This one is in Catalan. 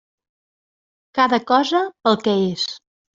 Cada cosa pel que és.